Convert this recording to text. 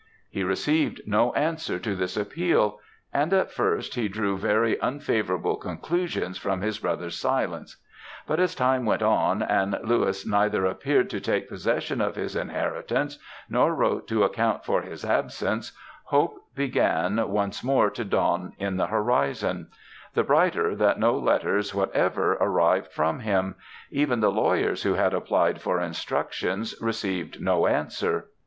"He received no answer to this appeal; and, at first, he drew very unfavourable conclusions from his brother's silence; but, as time went on, and Louis neither appeared to take possession of his inheritance, nor wrote to account for his absence, hope began once more to dawn in the horizon; the brighter, that no letters whatever arrived from him; even the lawyers who had applied for instructions, received no answer.